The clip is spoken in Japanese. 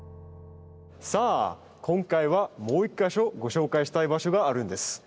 さあ今回はもう一箇所ご紹介したい場所があるんです。